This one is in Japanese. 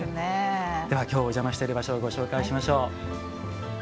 きょうお邪魔している場所ご紹介しましょう。